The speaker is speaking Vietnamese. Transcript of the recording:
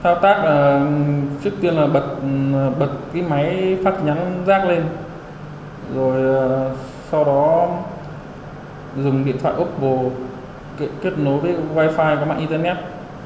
thao tác trước tiên là bật máy phát nhắn rác lên rồi sau đó dùng điện thoại oppo kết nối với wifi và mạng internet